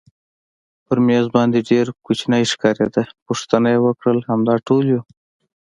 پر مېز باندې ډېر کوچنی ښکارېده، پوښتنه یې وکړل همدا ټول یو؟